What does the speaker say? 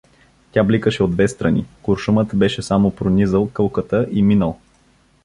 Тя бликаше от две страни: куршумът беше само пронизал кълката и минал.